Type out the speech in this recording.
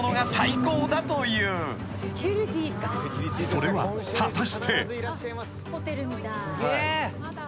［それは果たして］すげえ。